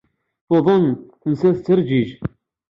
Tuḍen, tensa tettreǧǧij.